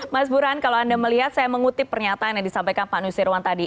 mas burhan kalau anda melihat saya mengutip pernyataan yang disampaikan pak nusirwan tadi